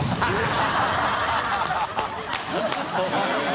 ハハハ